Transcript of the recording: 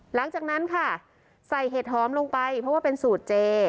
หลังจากนั้นค่ะใส่เห็ดหอมลงไปเพราะว่าเป็นสูตรเจ